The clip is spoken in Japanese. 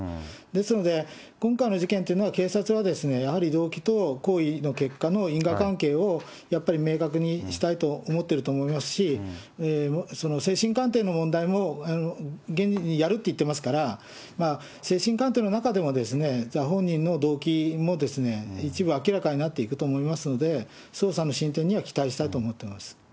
ですので、今回の事件というのは、警察はやはり動機と行為の結果の因果関係を、やっぱり明確にしたいと思ってると思いますし、その精神鑑定の問題も、げんにやるって言ってますから、精神鑑定の中でも本人の動機も一部明らかになっていくと思いますので、捜査の進展には期待したいと思ってます。